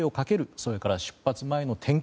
それから出発前の点検。